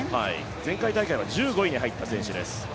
前回大会は１５位に入った選手です。